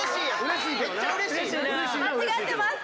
間違ってます。